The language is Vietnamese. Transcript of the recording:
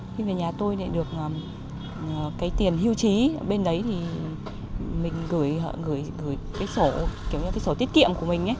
khi về nhà tôi được tiền hưu trí bên đấy thì mình gửi sổ tiết kiệm của mình